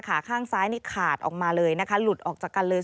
ข้างซ้ายนี่ขาดออกมาเลยนะคะหลุดออกจากกันเลย